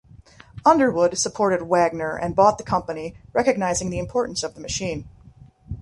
Underwood supported Wagner and bought the company, recognising the importance of the machine.